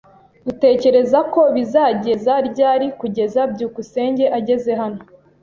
Utekereza ko bizageza ryari kugeza byukusenge ageze hano?